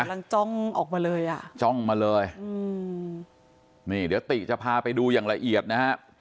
กำลังจ้องออกมาเลยอ่ะจ้องมาเลยอืมนี่เดี๋ยวติจะพาไปดูอย่างละเอียดนะฮะ